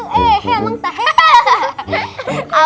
eh emang tak hekel